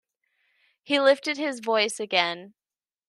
He lifted his voice again.